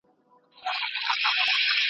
که وفا که یارانه ده دلته دواړه سودا کیږي `